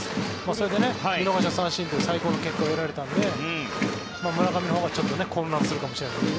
それで見逃し三振という最高の結果が得られたので村上のほうが混乱するかもしれないですね。